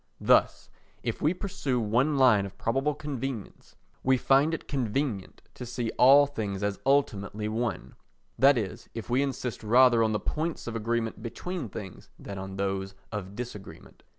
Thus, if we pursue one line of probable convenience, we find it convenient to see all things as ultimately one: that is, if we insist rather on the points of agreement between things than on those of disagreement.